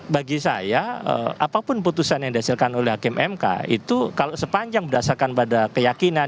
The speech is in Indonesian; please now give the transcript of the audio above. bagi saya apapun putusan yang dihasilkan oleh hakim mk itu kalau sepanjang berdasarkan pada keyakinan